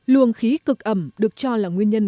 luồng khí cực ẩm được cho là nguyên nhân